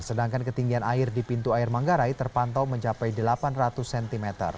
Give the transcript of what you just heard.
sedangkan ketinggian air di pintu air manggarai terpantau mencapai delapan ratus cm